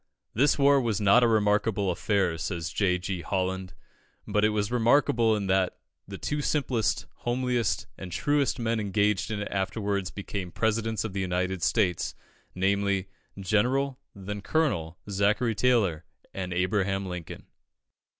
This war was not a remarkable affair, says J. G. Holland, but it was remarkable that the two simplest, homeliest, and truest men engaged in it afterwards became Presidents of the United States namely, General, then Colonel, Zachary Taylor and Abraham Lincoln.